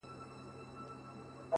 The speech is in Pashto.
د ميني اوبه وبهېږي،